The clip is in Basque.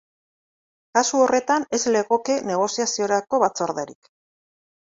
Kasu horretan, ez legoke negoziaziorako batzorderik.